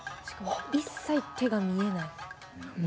一切、手が見えない。